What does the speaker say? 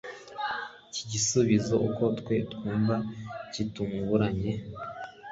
Iki gisubizo, uko twe twumva gitunguranye,